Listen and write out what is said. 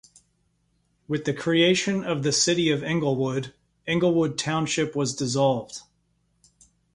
With the creation of the City of Englewood, Englewood Township was dissolved.